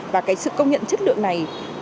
và cái sự công nhận chất lượng này